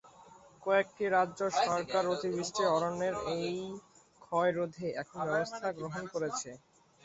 কয়েকটি রাজ্য সরকার অতিবৃষ্টি অরণ্যের এই ক্ষয় রোধে এখন ব্যবস্থা গ্রহণ করেছে।